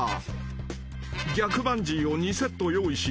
［逆バンジーを２セット用意し